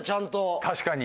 確かに。